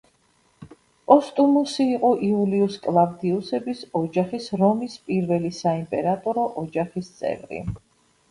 პოსტუმუსი იყო იულიუს-კლავდიუსების ოჯახის, რომის პირველი საიმპერატორო ოჯახის წევრი.